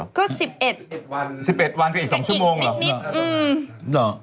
๑๑วันก็อีก๒ชั่วโมงเหรออืม